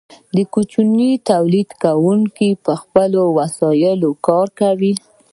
کوچني تولیدونکي په خپلو وسایلو کار کوي.